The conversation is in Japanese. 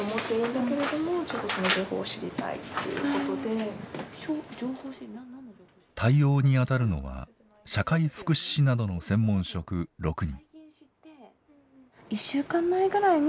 それはあの対応にあたるのは社会福祉士などの専門職６人。